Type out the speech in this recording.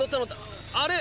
あれ？